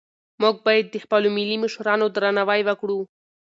موږ باید د خپلو ملي مشرانو درناوی وکړو.